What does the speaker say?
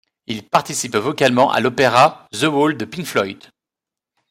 Il participe vocalement à l'opéra The Wall de Pink Floyd.